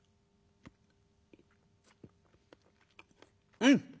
「うん。